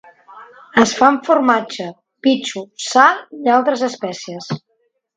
Es fa amb formatge, bitxo, sal i altres espècies.